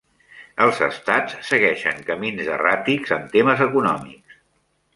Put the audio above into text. Els estats segueixen camins erràtics en temes econòmics.